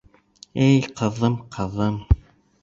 Эй, ҡыҙым, ҡыҙым...